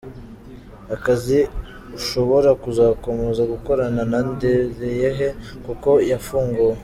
Akazi ashobora kuzakomeza gukorana na Ndereyehe kuko yafunguwe.